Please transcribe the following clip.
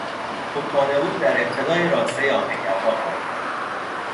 دکان او در ابتدای راسته آهنگرها قرار دارد